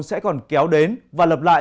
sẽ còn kéo đến và lập lại